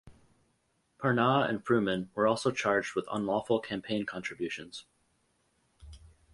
Parnas and Fruman were also charged with unlawful campaign contributions.